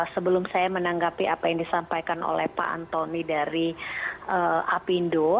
sebelum saya menanggapi apa yang disampaikan oleh pak antoni dari apindo